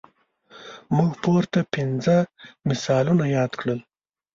موږ پورته پنځه مثالونه یاد کړل.